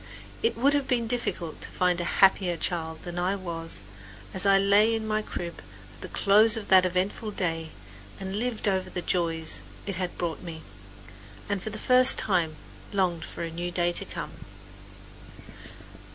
It would have been difficult to find a happier child than I was as I lay in my crib at the close of that eventful day and lived over the joys it had brought me, and for the first time longed for a new day to come.